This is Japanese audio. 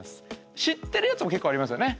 知ってるやつも結構ありますよね。